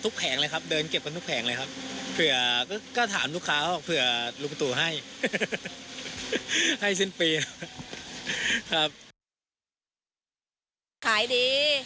ขายดีเลขนายยกมาลงพิโลกก็ขายดี